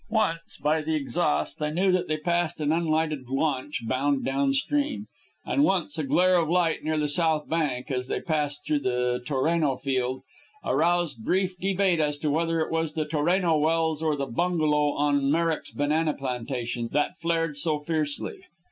Once, by the exhaust, they knew that they passed an unlighted launch bound down stream. And once, a glare of light, near the south bank, as they passed through the Toreno field, aroused brief debate as to whether it was the Toreno wells, or the bungalow on Merrick's banana plantation that flared so fiercely.